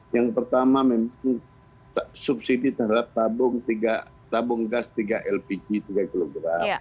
yang pertama memang subsidi terhadap tabung gas tiga lpg tiga kg